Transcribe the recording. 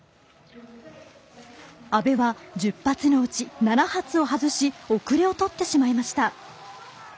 阿部は、１０発のうち７発を外し後れを取ってしまいました。